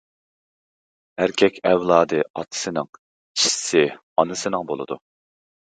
ئەركەك ئەۋلادى ئاتىسىنىڭ، چىشىسى ئانىسىنىڭ بولىدۇ.